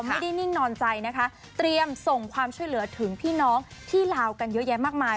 นิ่งนอนใจนะคะเตรียมส่งความช่วยเหลือถึงพี่น้องที่ลาวกันเยอะแยะมากมาย